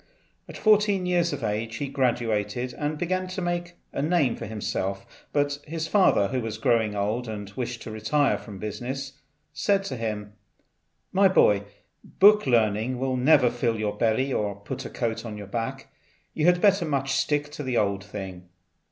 At fourteen years of age he graduated and began to make a name for himself; but his father, who was growing old and wished to retire from business, said to him, "My boy, book learning will never fill your belly or put a coat on your back; you had much better stick to the old thing."